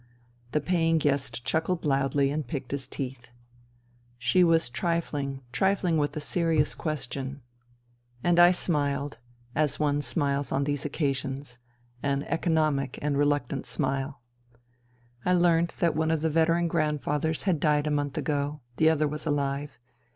The paying guest chuckled loudly and picked his teeth. She was trifling, trifling with a serious question, 244 FUTILITY and I smiled, as one smiles on these occasions — an economic and reluctant smile. I learnt that one of the veteran grandfathers had died a month ago ; the other was alive.